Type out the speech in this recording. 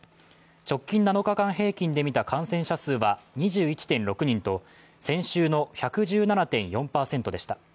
直近７日間平均でみた感染者数は２１．６人と先週の１１７．４％でした。